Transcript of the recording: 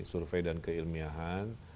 survei dan keilmiahan